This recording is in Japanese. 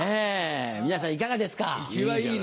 皆さんいかがですか？